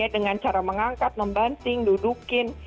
dengan cara menganggap membanting dudukkan